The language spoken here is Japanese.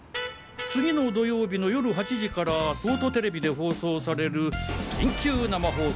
次の土曜日の夜８時から東都ＴＶで放送される『緊急生放送！